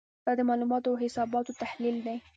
دا د معلوماتو او حساباتو تحلیل دی.